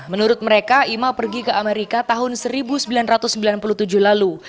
menurut mereka ima pergi ke amerika tahun seribu sembilan ratus sembilan puluh tujuh lalu